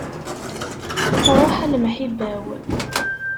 Ruḥ a lemḥiba-w.